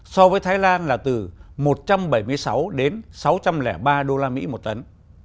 so với thái lan là từ một trăm bảy mươi sáu đến sáu trăm linh ba usd một tấn